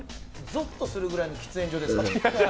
ぞっとするぐらいの喫煙所ですか。